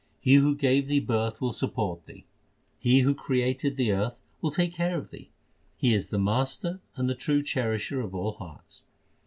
He who gave thee birth will support thee. He who created the earth will take care of thee. He is the Master and the true Cherisher of all hearts.